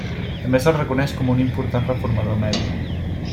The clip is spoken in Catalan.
També se'l reconeix com un important reformador mèdic.